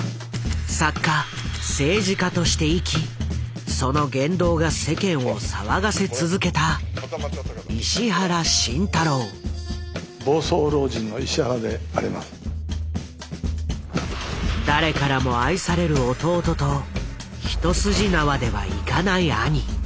作家政治家として生きその言動が世間を騒がせ続けた誰からも愛される弟と一筋縄ではいかない兄。